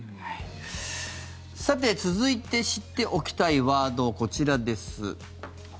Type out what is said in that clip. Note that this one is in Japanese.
さて、続いて知っておきたいワードこちらです。